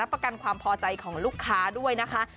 ประกันความพอใจของลูกค้าด้วยนะคะ